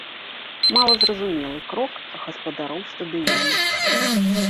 Малазразумелы крок гаспадароў стадыёна.